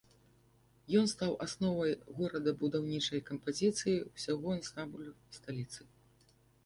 Ён стаў асновай горадабудаўнічай кампазіцыі ўсяго ансамблю сталіцы.